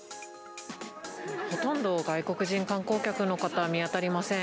ほとんど外国人観光客の方、見当たりません。